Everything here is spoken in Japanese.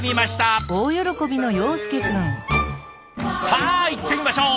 さあいってみましょう！